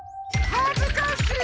はずかしい！